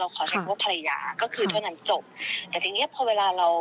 เออแค่หวานขู่ลอยเผื่อจะมีตัวจริงขึ้นมา